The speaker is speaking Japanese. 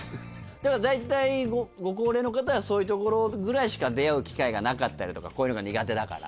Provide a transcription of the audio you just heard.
だから大体ご高齢の方はそういうところぐらいしか出会う機会がなかったりとかこういうのが苦手だから。